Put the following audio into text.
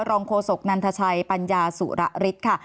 โฆษกนันทชัยปัญญาสุระฤทธิ์ค่ะ